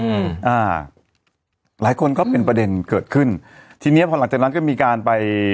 อืมอ่าหลายคนก็เป็นประเด็นเกิดขึ้นทีเนี้ยพอหลังจากนั้นก็มีการไป